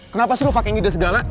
kenapa sih lo pake ngide segala